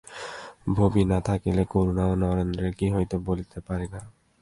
ভবি না থাকিলে করুণা ও নরেন্দ্রের কী হইত বলিতে পারি না।